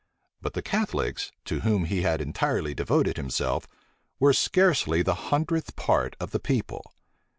But the Catholics, to whom he had entirely devoted himself, were scarcely the hundredth part of the people.